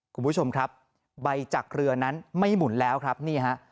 คุณผู้ชมครับใบจากเรือนั้นไม่หมุนแล้วครับนี่ฮะ